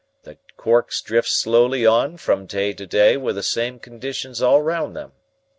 The corks drift slowly on from day to day with the same conditions all round them.